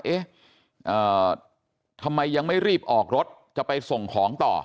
เอ๊ะทำไมยังไม่รีบออกรถจะไปส่งของต่อ